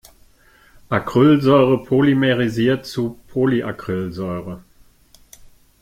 Acrylsäure polymerisiert zu Polyacrylsäure.